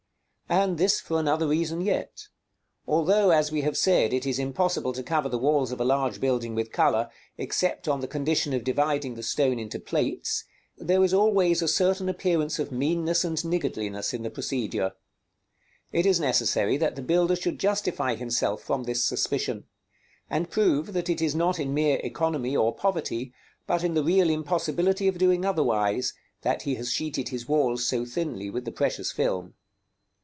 § XXXIII. And this for another reason yet. Although, as we have said, it is impossible to cover the walls of a large building with color, except on the condition of dividing the stone into plates, there is always a certain appearance of meanness and niggardliness in the procedure. It is necessary that the builder should justify himself from this suspicion; and prove that it is not in mere economy or poverty, but in the real impossibility of doing otherwise, that he has sheeted his walls so thinly with the precious film.